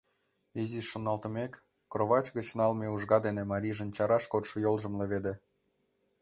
Изиш шоналтымек, кровать гыч налме ужга дене марийжын чараш кодшо йолжым леведе.